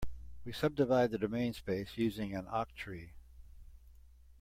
We subdivide the domain space using an octree.